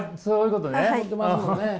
そういうことね。